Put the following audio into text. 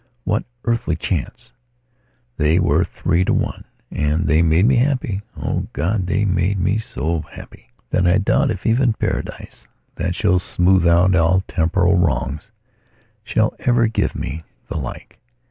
What earthly chance? They were three to oneand they made me happy. Oh God, they made me so happy that I doubt if even paradise, that shall smooth out all temporal wrongs, shall ever give me the like.